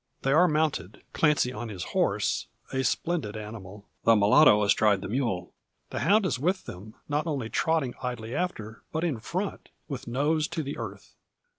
They are mounted, Clancy on his horse a splendid animal the mulatto astride the mule. The hound is with them, not now trotting idly after, but in front, with nose to the earth.